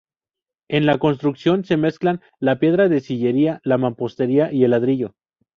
En la construcción se mezclan la piedra de sillería, la mampostería y el ladrillo.